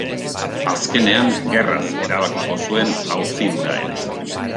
Azkenean, gerraz erabakiko zuen auzi hura ere.